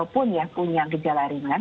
pun ya punya gejala ringan